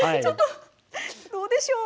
どうでしょう？